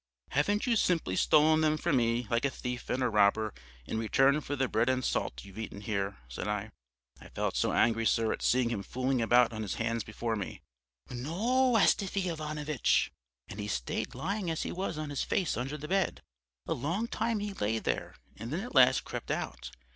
"'Haven't you simply stolen them from me like a thief and a robber, in return for the bread and salt you've eaten here?' said I. "I felt so angry, sir, at seeing him fooling about on his knees before me. "'No, Astafy Ivanovitch.' "And he stayed lying as he was on his face under the bed. A long time he lay there and then at last crept out.